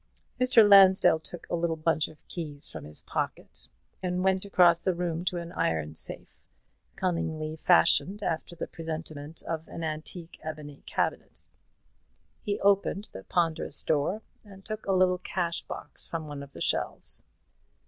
Mr. Lansdell took a little bunch of keys from his pocket, and went across the room to an iron safe, cunningly fashioned after the presentment of an antique ebony cabinet. He opened the ponderous door, and took a little cash box from one of the shelves.